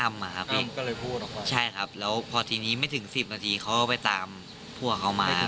อ้ำอ่ะครับพี่ใช่ครับแล้วพอทีนี้ไม่ถึง๑๐นาทีเขาก็ไปตามพวกเขามาครับพี่